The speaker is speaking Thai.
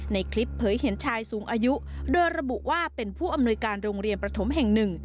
ในคลิปเผยเห็นชายสูงอายุโดยระบุว่าเป็นผู้อำนวยการโรงเรียนประถมแห่งหนึ่ง